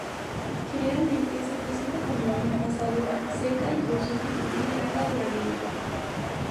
Generalmente, se presenta como una masa dura, seca y crujiente que tiene larga durabilidad.